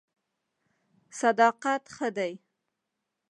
صداقت ښه دی.